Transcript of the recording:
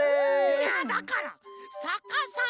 いやだからさかさま！